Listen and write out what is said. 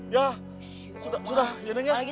ya sudah sudah ya neng ya